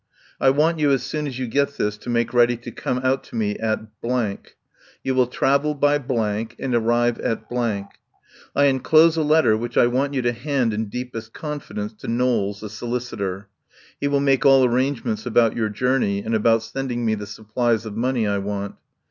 I want you as soon as you get this to make ready to come out to me at ... You will travel by ... and arrive at .../ enclose a letter which I want you to hand in deepest confidence to Knowles, the solicitor. He will make all arrangements about your journey and about sending me the supplies of money I want.